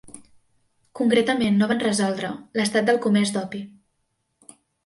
Concretament no van resoldre l'estat del comerç d'opi.